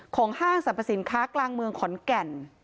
ห้างสรรพสินค้ากลางเมืองขอนแก่น